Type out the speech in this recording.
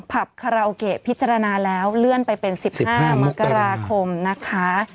คาราโอเกะพิจารณาแล้วเลื่อนไปเป็น๑๕มกราคมนะคะ